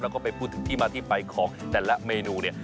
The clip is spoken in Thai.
แล้วก็ไปพูดถึงที่มาที่ไปของแต่ละเมนูเนี่ย